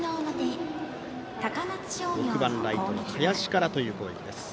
６番ライト、林からという声が。